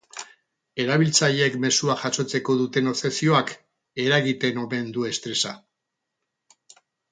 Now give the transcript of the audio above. Erabiltzaileek mezuak jasotzeko duten obsesioak eragiten omen du estresa.